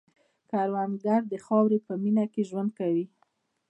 کروندګر د خاورې په مینه کې ژوند کوي